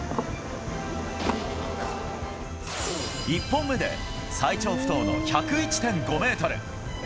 １本目で最長不倒の１０１．５メートル。